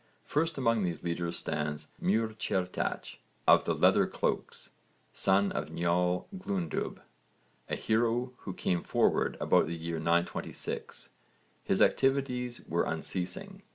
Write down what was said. First among these leaders stands Muirchertach 'of the leather cloaks,' son of Niall Glundubh, a hero who came forward about the year 926. His activities were unceasing.